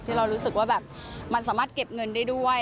เรารู้สึกว่าแบบมันสามารถเก็บเงินได้ด้วย